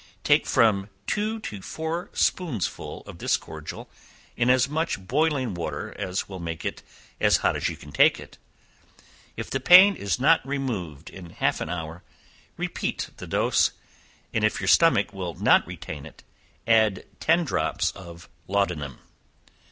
Take from two to four spoonsful of this cordial in as much boiling water as will make it as hot as you can take it; if the pain is not removed in half an hour, repeat the dose, and if your stomach will not retain it, add ten drops of laudanum.